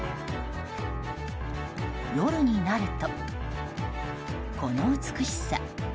夜になると、この美しさ。